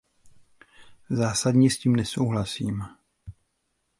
Zásadně s tím nesouhlasím.